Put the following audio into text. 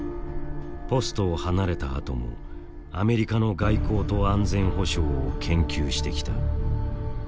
ポストを離れたあともアメリカの外交と安全保障を研究してきた。